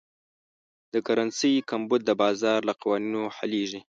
د کرنسۍ کمبود د بازار له قوانینو حلېږي.